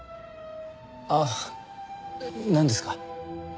あっなんですか？